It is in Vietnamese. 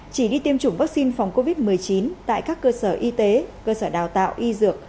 chỉ đi tiêm chủng vaccine phòng covid một mươi chín tại các cơ sở y tế cơ sở đào tạo y dược